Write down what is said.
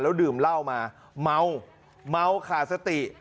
ดื่มเหล้ามาเมาเมาขาดสติ